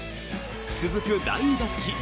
続く第２打席。